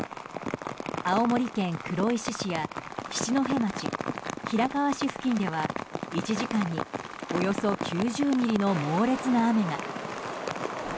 青森県黒石市や七戸町平川市付近では１時間におよそ９０ミリの猛烈な雨が。